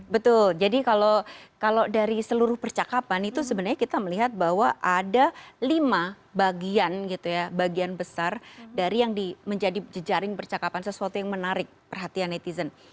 betul jadi kalau dari seluruh percakapan itu sebenarnya kita melihat bahwa ada lima bagian gitu ya bagian besar dari yang menjadi jejaring percakapan sesuatu yang menarik perhatian netizen